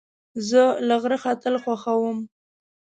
زه له غره ختل خوښوم.